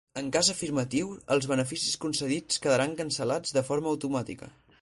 En cas afirmatiu, els beneficis concedits quedaran cancel·lats de forma automàtica.